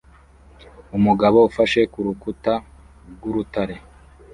umugabo ufashe ku rukuta rw'urutare